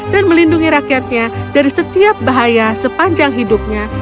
dan melindungi rakyatnya dari setiap bahaya sepanjang hidupnya